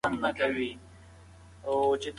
دا سندره په یو مست او طنان غږ ویل کېږي.